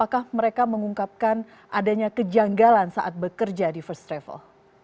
apakah mereka mengungkapkan adanya kejanggalan saat bekerja di first travel